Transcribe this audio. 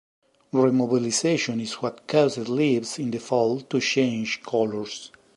Remobilization is what causes leaves in the fall to change colors.